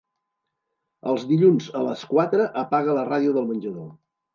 Els dilluns a les quatre apaga la ràdio del menjador.